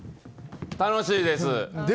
楽しいです。